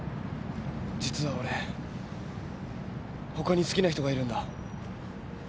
実は俺他に好きな人がいるんだ。